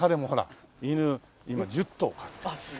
今１０頭飼ってる。